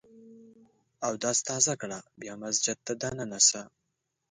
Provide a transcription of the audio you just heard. اودس تازه کړه ، بیا مسجد ته دننه سه!